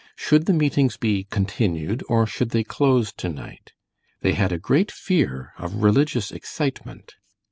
Should the meetings be continued, or should they close tonight? They had a great fear of religious excitement.